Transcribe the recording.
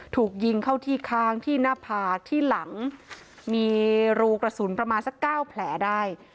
ถูกยิงเข้าที่ข้างที่หน้าผากที่หลังมีรูกระสุนประมาณสักเก้าแผลได้